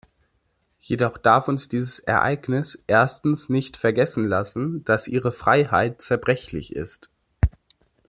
Jedoch darf uns dieses Ereignis erstens nicht vergessen lassen, dass ihre Freiheit zerbrechlich ist.